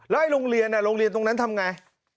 แล้วลงเรียนตรงนั้นทำอย่างไร